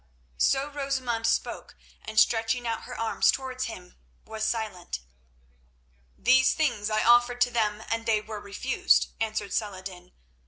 So Rosamund spoke, and stretching out her arms towards him, was silent. "These things I offered to them, and they were refused," answered Saladin.